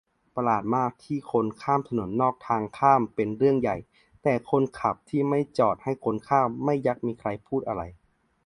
ประหลาดมากที่คนข้ามถนนนอกทางข้ามเป็นเรื่องใหญ่ แต่คนขับที่ไม่จอดให้คนข้าม ไม่ยักมีใครพูดอะไร